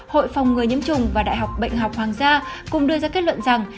hội phòng người nhiễm chủng và đại học bệnh học hoàng gia cùng đưa ra kết luận rằng